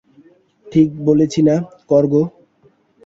ঠিক বলেছি না, কর্গ?